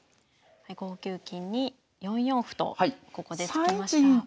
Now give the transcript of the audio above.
５九金に４四歩とここで突きました。